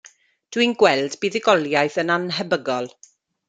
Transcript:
Dwi'n gweld buddugoliaeth yn annhebygol.